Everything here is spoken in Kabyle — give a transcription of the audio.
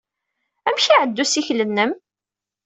Amek ay iɛedda ussikel-nnem?